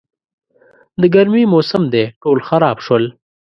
د ګرمي موسم دی، ټول خراب شول.